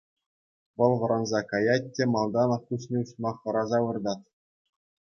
Вӑл вӑранса каять те малтанах куҫне уҫма хӑраса выртать.